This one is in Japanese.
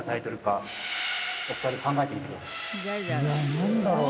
何だろうね？